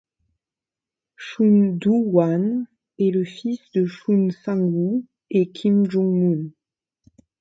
Chun Doo-hwan est le fils de Chun Sang-woo et Kim Jeong-mun.